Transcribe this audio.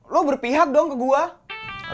lo berpihak dong ke gue